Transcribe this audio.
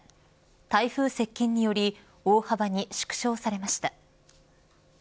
台風接近により大幅に縮小されました。